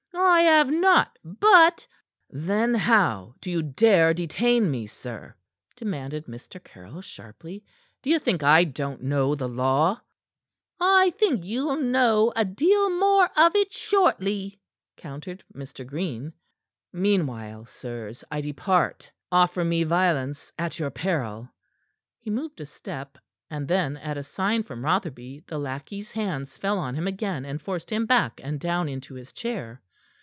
"I have not, but " "Then how do you dare detain me, sir?" demanded Mr. Caryll sharply. "D'ye think I don't know the law?" "I think you'll know a deal more of it shortly," countered Mr. Green. "Meanwhile, sirs, I depart. Offer me violence at your peril." He moved a step, and then, at a sign from Rotherby, the lackey's hands fell on him again, and forced him back and down into his chair.